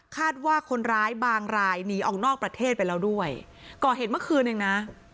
คาดว่าคนร้ายบางรายหนีออกนอกประเทศไปแล้วด้วยก่อเหตุเมื่อคืนเองนะ